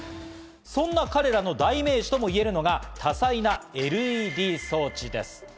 そんな彼らの代名詞ともいえるのが、多彩なＬＥＤ装置です。